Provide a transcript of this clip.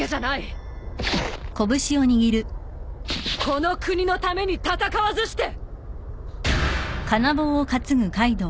この国のために戦わずして。